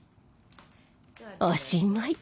おしまい。